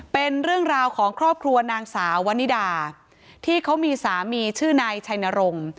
เป็นเรื่องราวของครอบครัวนางสาววนิดาที่เขามีสามีชื่อนายชัยนรงค์